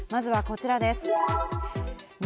まずはこちらです。